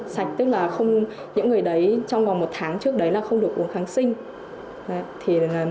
sạch tức là không những người đấy trong vòng một tháng trước đấy là không được uống kháng sinh